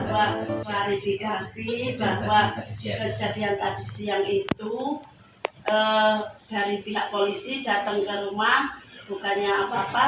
dari pihak polisi datang ke rumah bukannya apa apa